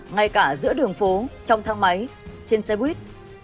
ngay cả giữa đường phố trong thang máy trên xe buýt